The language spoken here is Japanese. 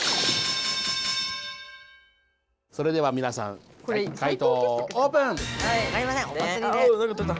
それではみなさん解答をオープン！